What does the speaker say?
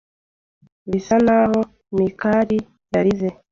Birasa nkaho Mikali yarize.